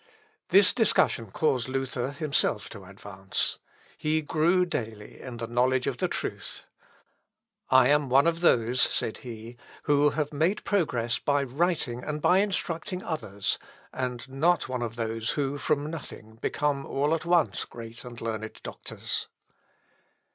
This discussion caused Luther himself to advance. He grew daily in the knowledge of the truth. "I am one of those," said he, "who have made progress by writing and by instructing others; and not one of those, who, from nothing, become all at once great and learned doctors."